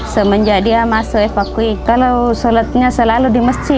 semenjak dia masuk evakuasi kalau sholatnya selalu di masjid